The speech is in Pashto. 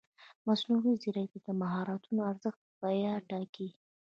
مصنوعي ځیرکتیا د مهارتونو ارزښت بیا ټاکي.